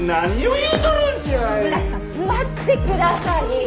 村木さん座ってください！